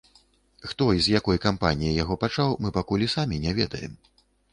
Хто і з якой кампаніі яго пачаў мы пакуль і самі не ведаем.